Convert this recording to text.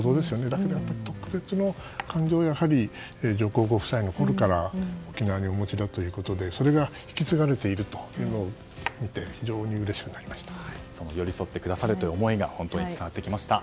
だけど特別な感情を上皇ご夫妻のころから沖縄にお持ちだということでそれが引き継がれているのを見て寄り添ってくださるという思いが本当に伝わってきました。